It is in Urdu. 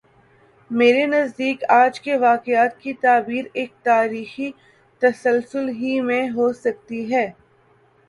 میرے نزدیک آج کے واقعات کی تعبیر ایک تاریخی تسلسل ہی میں ہو سکتی ہے۔